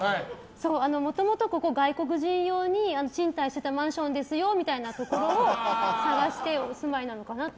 もともとここ、外国人用に賃貸してたマンションですよみたいなところを探してお住まいなのかなって。